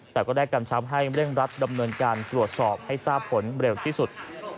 แต่ก็ได้กำชับให้เร่งรัดดำเนินการตรวจสอบให้ทราบผลเร็วที่สุด